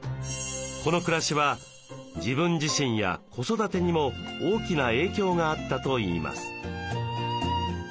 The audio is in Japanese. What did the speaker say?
この暮らしは自分自身や子育てにも大きな影響があったといいます。